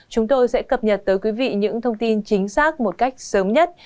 chúng tôi sẽ cập nhật tới quý vị những thông tin chính xác một cách sớm nhất